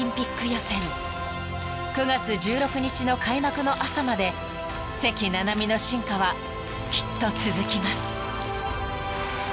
［９月１６日の開幕の朝まで関菜々巳の進化はきっと続きます］